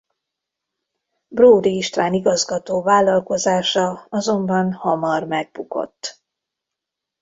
Bródy István igazgató vállalkozása azonban hamar megbukott.